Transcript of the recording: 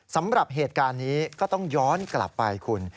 สำหรับเหตุการณ์นี้ก็ต้องย้อนกลับไปคุณ